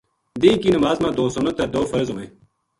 دینہہ کی نماز ما دو سنت تے ترے فدرض ہوویں۔